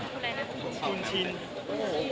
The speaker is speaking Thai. สุดท้ายเท่าไหร่สุดท้ายเท่าไหร่